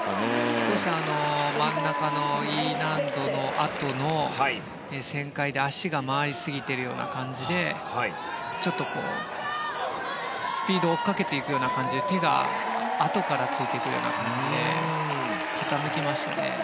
少し真ん中のＥ難度のあとの旋回で足が回りすぎている感じでちょっとスピードを追いかけていくような感じで手があとからついていくような感じで傾きましたね。